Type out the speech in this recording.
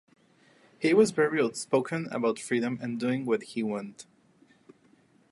He was very outspoken about freedom and doing what you want.